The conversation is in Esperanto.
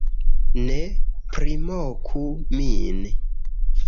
- Ne primoku min